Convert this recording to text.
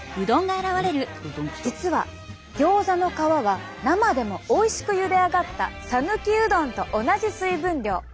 実はギョーザの皮は生でもおいしくゆで上がったさぬきうどんと同じ水分量。